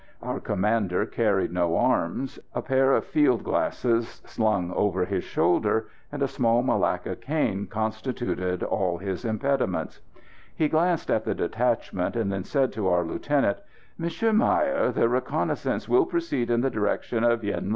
Our commander carried no arms; a pair of field glasses slung over his shoulder, and a small malacca cane, constituted all his impedimenta. He glanced at the detachment, and then said to our lieutenant: "Monsieur Meyer, the reconnaissance will proceed in the direction of Yen Lé."